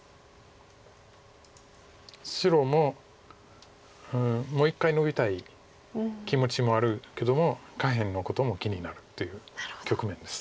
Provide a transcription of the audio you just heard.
白ももう一回ノビたい気持ちもあるけども下辺のことも気になるという局面です。